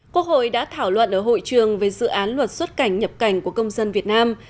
quốc hội đã thảo luận ở hội trường về dự án luật xuất cảnh nhập cảnh của công dân việt nam